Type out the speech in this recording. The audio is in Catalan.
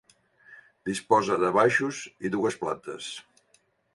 Disposa de baixos i dues plantes.